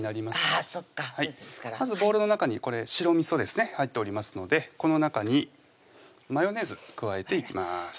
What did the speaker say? まずボウルの中にこれ白みそですね入っておりますのでこの中にマヨネーズ加えていきます